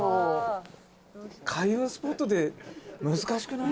「開運スポットで難しくない？」